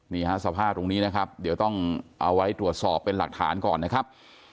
สภาพตรงนี้นะครับเดี๋ยวต้องเอาไว้ตรวจสอบเป็นหลักฐานก่อนนะครับ